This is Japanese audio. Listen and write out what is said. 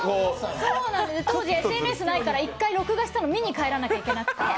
ＳＮＳないから１回録画したの見に帰らないといけなくて。